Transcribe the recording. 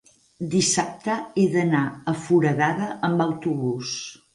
dissabte he d'anar a Foradada amb autobús.